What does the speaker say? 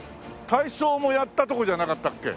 体操もやったとこじゃなかったっけ？